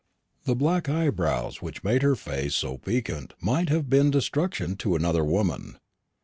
The black eyebrows which made her face so piquant might have been destruction to another woman.